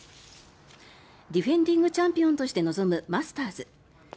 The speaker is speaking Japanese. ディフェンディングチャンピオンとして臨むマスターズ。